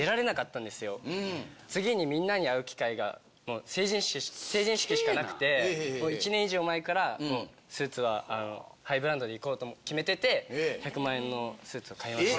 次にみんなに会う機会がもう成人式しかなくてもう１年以上前からスーツはハイブランドで行こうと決めてて１００万円のスーツを買いました。